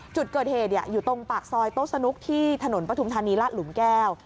จุดเกิดเหตุอยู่ตรงปากซอยโต๊ะสนุกที่ถนนปฐุมธานีลาดหลุมแก้ว